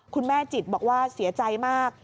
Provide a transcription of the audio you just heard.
คุณแม่จิตบอกว่าเสียใจมาก